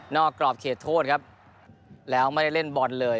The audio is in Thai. นอกกรอบเคตโธทครับแล้วไม่ได้เล่นบนเลย